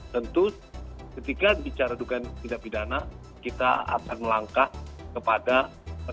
tentu ketika bicara dugaan bidana kita akan melangkah kepada penentuan